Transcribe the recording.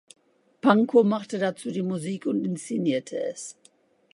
Pankow machte dazu die Musik und inszenierte es.